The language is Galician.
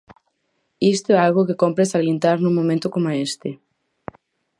Isto é algo que cómpre salientar nun momento coma este.